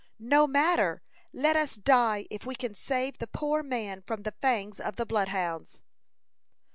"No matter. Let us die if we can save the poor man from the fangs of the bloodhounds."